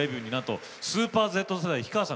スーパーＺ世代の氷川さん